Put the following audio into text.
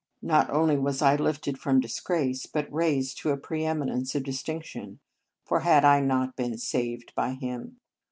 Not only was I lifted from disgrace, but raised to a preeminence of distinction; for had I not been saved by him?